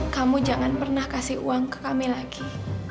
kamu jangan pernah kasih uang ke kami lagi